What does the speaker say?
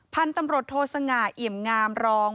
พันธุ์ตำรวจโทสง่าเอี่ยมงามรอง